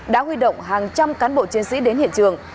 đã huy động hàng trăm cán bộ chiến sĩ đến hiện trường